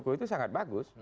pak jokowi itu sangat bagus